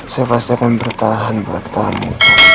saya pasti akan bertahan buat kamu